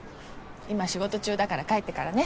今仕事中だから帰ってからね。